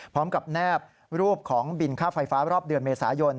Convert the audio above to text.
แนบรูปของบินค่าไฟฟ้ารอบเดือนเมษายน